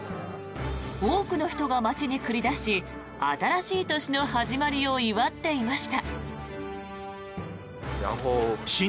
多くの人が街に繰り出し新しい年の始まりを祝っていました。